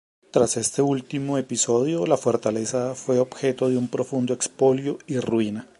Tras este último episodio, la fortaleza fue objeto de un profundo expolio y ruina.